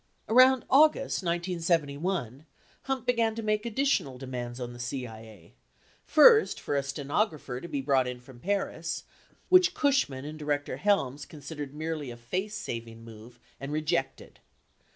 80 Around August 1971, Hunt began to make additional demands on the CIA : first, for a stenographer to be brought in from Paris, which Cushman and Director Helms considered merely a face saving move and rejected.